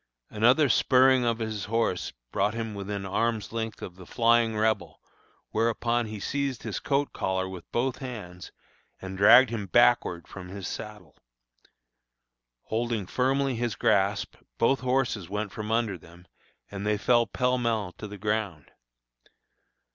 Another spurring of his horse brought him within arm's length of the flying Rebel, whereupon he seized his coat collar with both his hands, and dragged him backward from his saddle. Holding firmly his grasp, both horses went from under them, and they fell pell mell to the ground.